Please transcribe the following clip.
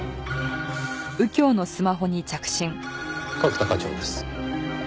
角田課長です。